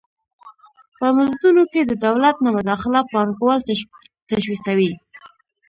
په مزدونو کې د دولت نه مداخله پانګوال تشویقوي.